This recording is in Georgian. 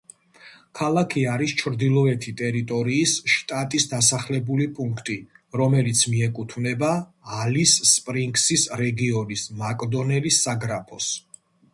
ქალაქი არის ჩრდილოეთი ტერიტორიის შტატის დასახლებული პუნქტი, რომელიც მიეკუთვნება ალის-სპრინგსის რეგიონის მაკდონელის საგრაფოს.